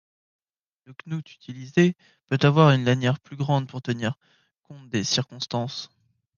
Le knout utilisé peut avoir une lanière plus grande pour tenir compte des circonstances.